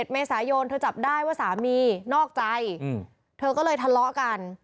เมษายนเธอจับได้ว่าสามีนอกใจเธอก็เลยทะเลาะกัน